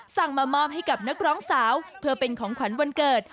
มามอบให้กับนักร้องสาวเพื่อเป็นของขวัญวันเกิด